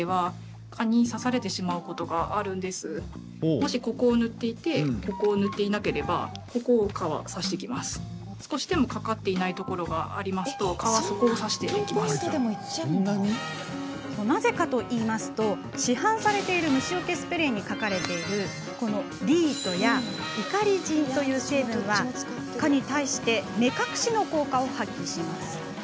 もしここを塗っていてここを塗っていなければなぜかというと、市販されている虫よけスプレーに書かれているこのディートやイカリジンという成分は蚊に対して目隠しの効果を発揮します。